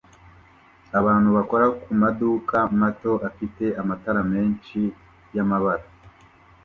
abantu bakora kumaduka mato afite amatara menshi yamabara